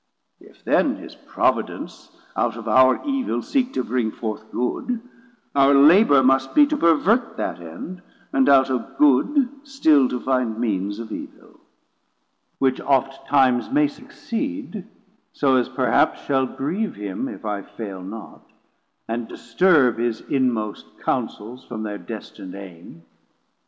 If then his Providence Out of our evil seek to bring forth good, Our labour must be to pervert that end, And out of good still to find means of evil; Which oft times may succeed, so as perhaps Shall grieve him, if I fail not, and disturb His inmost counsels from their destind aim.